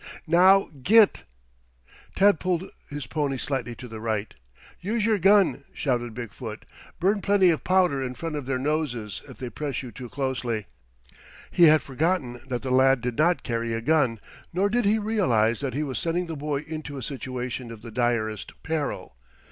"Now, git!" Tad pulled his pony slightly to the right. "Use your gun!" shouted Big foot. "Burn plenty of powder in front of their noses if they press you too closely!" He had forgotten that the lad did not carry a gun, nor did he realize that he was sending the boy into a situation of the direst peril.